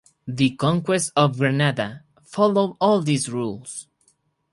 "The Conquest of Granada" followed all of these rules.